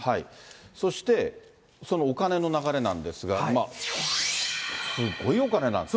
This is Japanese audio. そしてそのお金の流れなんですが、すごいお金なんですね。